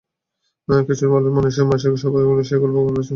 কিশোর আলোর মাসিক সভায় সেই গল্পই বলছিলেন শাহজামান মজুমদার বীর প্রতীক।